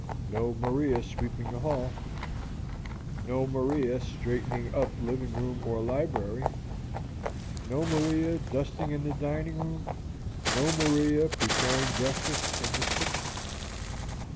No Maria sweeping in the hall; no Maria straightening up the living room or library; no Maria dusting in the dining room; no Maria preparing breakfast in the kitchen.